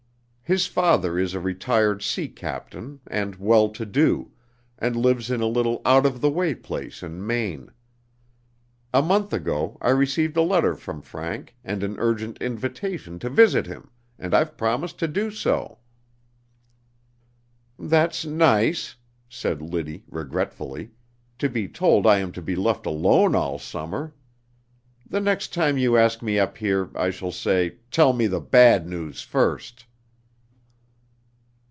His father is a retired sea captain, and well to do, and lives in a little out of the way place in Maine. A month ago I received a letter from Frank and an urgent invitation to visit him, and I've promised to do so." "That's nice," said Liddy regretfully, "to be told I am to be left alone all summer! The next time you ask me up here I shall say: 'Tell me the bad news first!'"